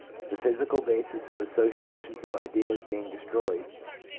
The physical basis of associations of ideas being destroyed, wc.